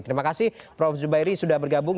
terima kasih prof zubairi sudah bergabung